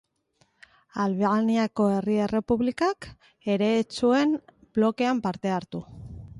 Albaniako Herri Errepublikak ere ez zuen blokean parte hartu.